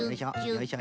よいしょ。